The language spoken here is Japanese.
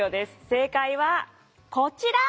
正解はこちら！